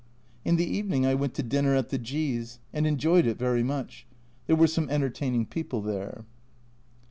In the evening I went to dinner at the G s, and enjoyed it very much ; there were some entertaining people there.